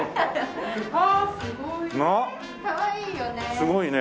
すごいね。